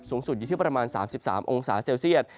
สูงสุดอยู่ที่ประมาณ๓๓องศาเซลเซียต